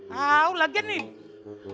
tau lagian nih